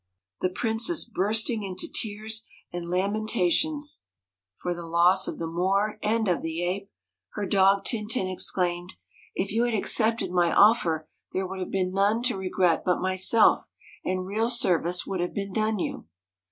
The princess bursting into tears and lamentations 152 MIRANDA for the loss of the Moor and of the ape, her dog Tintin exclaimed :' If you had accepted my offer, there would have been none to regret but myself, and real service would have been done you.'